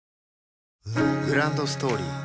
グランドストーリー